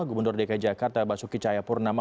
gubernur dki jakarta basuki cahayapurnama